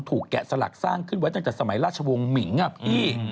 แกะสลักสร้างขึ้นไว้ตั้งแต่สมัยราชวงศ์หมิงอ่ะพี่